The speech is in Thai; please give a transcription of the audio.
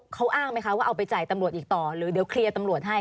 เขาอ้างไหมคะว่าเอาไปจ่ายตำรวจอีกต่อหรือเดี๋ยวเคลียร์ตำรวจให้